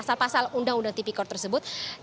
pasal pasal undang undang tipikor tersebut